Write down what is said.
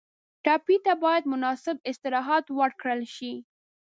ټپي ته باید مناسب استراحت ورکړل شي.